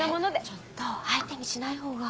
ちょっと相手にしないほうが。